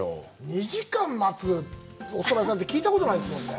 ２時間待つおそば屋さんって聞いたことないですもんね。